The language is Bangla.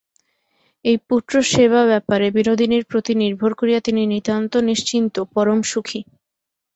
এই পুত্রসেবাব্যাপারে বিনোদিনীর প্রতি নির্ভর করিয়া তিনি নিতান্ত নিশ্চিন্ত, পরম সুখী।